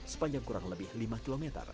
sepanjang kurang lebih lima km